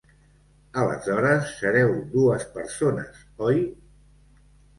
Aleshores sereu dues persones, oi?